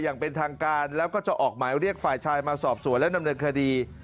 อย่างเป็นทางการแล้วก็จะออกหมายเรียกฝ่ายชายมาสอบสวนและดำเนินคดี